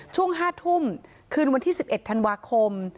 ช่วง๕ทุ่มคืนวันที่๑๑ธันวาคม